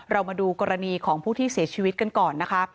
เรามาดูกรณีของผู้ที่เสียชีวิตกันก่อนนะคะ